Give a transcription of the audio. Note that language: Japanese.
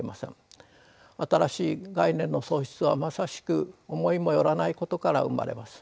新しい概念の創出はまさしく思いも寄らないことから生まれます。